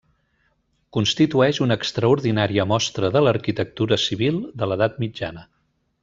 Constitueix una extraordinària mostra de l'arquitectura civil de l'edat mitjana.